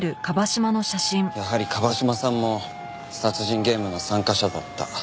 やはり椛島さんも殺人ゲームの参加者だった。